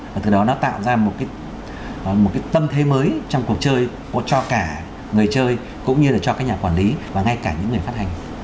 và từ đó nó tạo ra một cái tâm thế mới trong cuộc chơi cho cả người chơi cũng như là cho các nhà quản lý và ngay cả những người phát hành